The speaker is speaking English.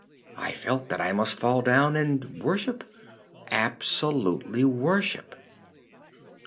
I felt that I must fall down and worship—absolutely worship.